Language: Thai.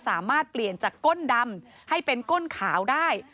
สามารถเปลี่ยนจากก้นดำให้เป็นก้นขาวได้